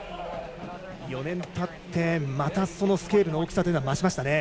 ４年たって、またスケールの大きさが増しました。